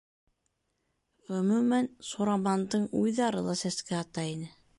Ғөмүмән, Сурамандың уйҙары ла сәскә ата ине.